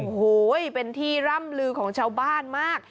โอ้โหเป็นที่ร่ำลือของชาวบ้านมาก